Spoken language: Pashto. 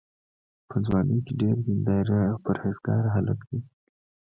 په ځوانۍ کې ډېر دینداره او پرهېزګاره هلک دی.